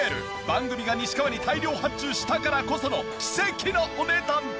番組が西川に大量発注したからこその奇跡のお値段です！